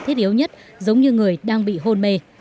thiết yếu nhất giống như người đang bị hôn mê